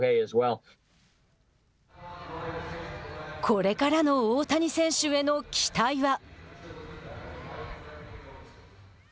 これからの大谷選手への期待は。